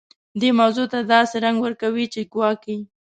دې موضوع ته داسې رنګ ورکوي چې ګواکې.